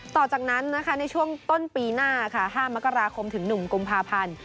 ต่อจากนั้นนะคะในช่วงต้นปีหน้าค่ะ๕มกราคมถึง๑กุมภาพันธ์